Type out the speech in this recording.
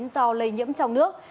do lây nhiễm trong nước